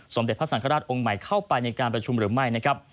เด็จพระสังฆราชองค์ใหม่เข้าไปในการประชุมหรือไม่นะครับ